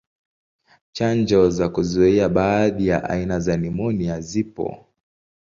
Chanjo za kuzuia baadhi ya aina za nimonia zipo.